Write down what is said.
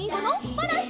バランス！